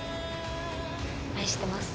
愛してます。